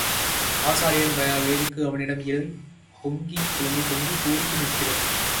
காசாலியின் வயதுக்கு அவனிடம் இளமை பொங்கிப் பூரித்து நிற்கிறது.